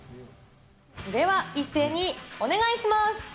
では、一斉にお願いします。